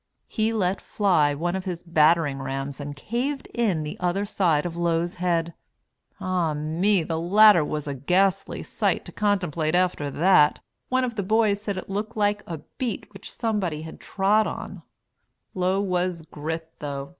He let fly one of his battering rams and caved in the other side of Low's head. Ah me, the latter was a ghastly sight to contemplate after that one of the boys said it looked "like a beet which somebody had trod on it." Low was "grit" though.